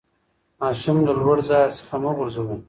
ماشوم له لوړي ځای څخه مه غورځوئ.